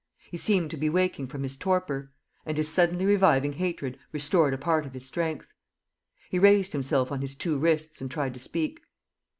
He seemed to be waking from his torpor; and his suddenly reviving hatred restored a part of his strength. He raised himself on his two wrists and tried to speak.